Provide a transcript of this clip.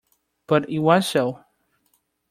But it was so.